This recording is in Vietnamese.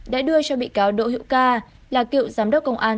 đã đưa cho bị cáo đỗ hữu ca là cựu giám đốc công an